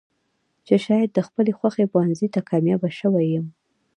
چې شايد د خپلې خوښې پوهنځۍ ته کاميابه شوې يم.